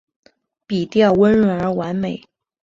笔调温润而完美